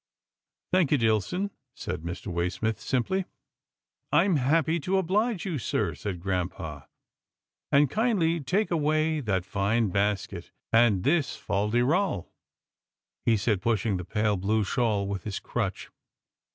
" Thank you, Dillson," said Mr.Waysmith simply. " I'm happy to obhge you, sir," said grampa, " and kindly take away that fine basket, and this fol de rol," he said, pushing the pale blue shawl with his crutch.